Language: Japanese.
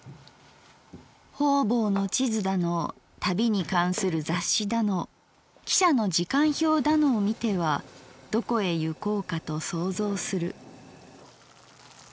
方々の地図だの旅に関する雑誌だの汽車の時間表だのをみてはどこへゆこうかと想像する」。